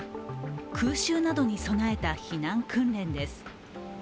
空襲などに備えた避難訓練です。